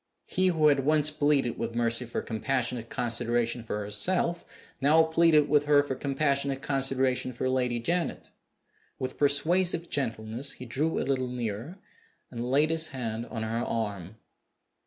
He who had once pleaded with Mercy for compassionate consideration for herself now pleaded with her for compassionate consideration for Lady Janet. With persuasive gentleness he drew a little nearer, and laid his hand on her arm.